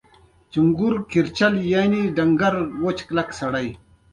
د جګړې زړي یې وکرل